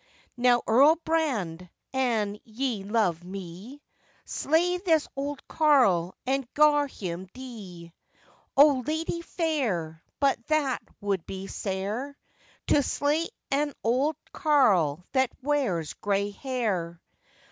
'Now Earl Brand, an ye love me, Slay this old Carl and gar him dee.' 'O, lady fair, but that would be sair, To slay an auld Carl that wears grey hair.